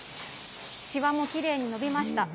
しわもきれいに伸びました。